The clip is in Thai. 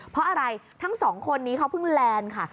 เพราะอะไรทั้งสองคนนี้เขาเพิ่งแลนด์ค่ะ